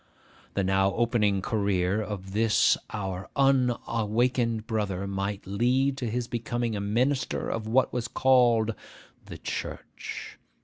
The now opening career of this our unawakened brother might lead to his becoming a minister of what was called 'the church.